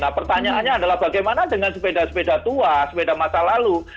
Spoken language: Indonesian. nah pertanyaannya adalah bagaimana dengan sepeda sepeda tua sepeda masa lalu